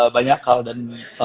banyak hal dan